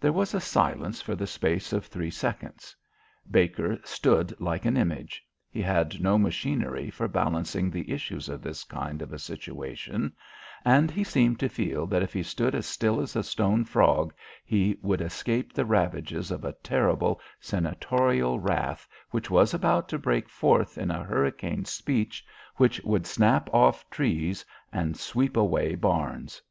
There was a silence for the space of three seconds. Baker stood like an image; he had no machinery for balancing the issues of this kind of a situation, and he seemed to feel that if he stood as still as a stone frog he would escape the ravages of a terrible Senatorial wrath which was about to break forth in a hurricane speech which would snap off trees and sweep away barns.